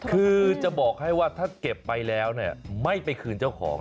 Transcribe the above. คือจะบอกให้ว่าถ้าเก็บไปแล้วไม่ไปคืนเจ้าของ